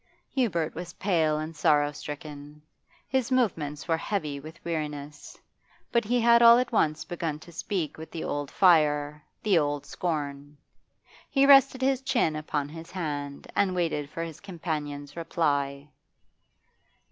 Hubert was pale and sorrow stricken; his movements were heavy with weariness, but he had all at once begun to speak with the old fire, the old scorn. He rested his chin upon his hand and waited for his companion's reply.